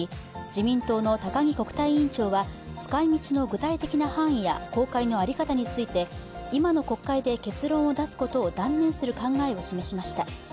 自民党の高木国対委員長は、使いみちの具体的な範囲や公開の在り方について、今の国会で結論を出すことを断念する考えを示しました。